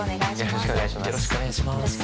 よろしくお願いします。